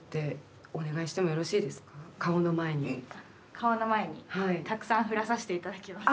顔の前にたくさん降らさせて頂きます。